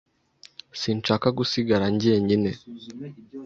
Sinshaka gusigara jyenyine.